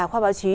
khoa báo chí